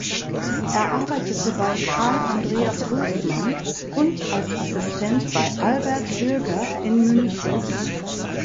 Er arbeitete bei Karl Andreas Hofmann und als Assistent bei Albert Hilger in München.